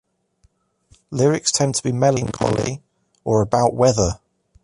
Lyrics tend to be melancholy or about weather.